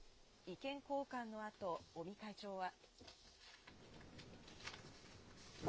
意見交換のあと、尾身会長は。